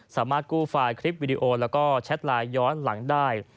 สามารถกู้ไฟล์คลิปวิดีโอแล้วก็แชทไลน์ย้อนหลังได้